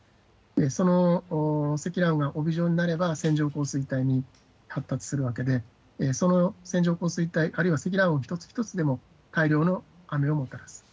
その積乱雲が帯状になれば、線状降水帯に発達するわけで、その線状降水帯、あるいは積乱雲一つ一つでも、大量の雨をもたらす。